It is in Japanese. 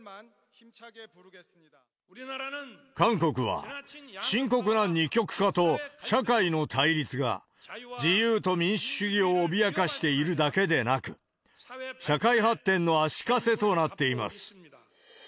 韓国は、深刻な二極化と社会の対立が自由と民主主義を脅かしているだけでなく、社会発展の足かせとなっています。